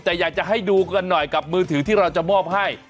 แต่อยากจะให้ดูกันหน่อยกับมือถือที่เราจะมอบให้